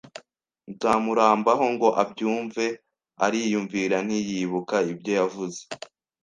Nzamurambaho ngo abyumve ariyumvira, ntiyibuka ibyo yavuze